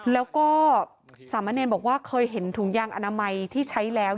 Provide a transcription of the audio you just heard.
แล้วก็สามะเนรบอกว่าเคยเห็นถุงยางอนามัยที่ใช้แล้ว